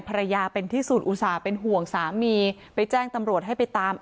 ภรรยาเป็นที่สุดอุตส่าห์เป็นห่วงสามีไปแจ้งตำรวจให้ไปตาม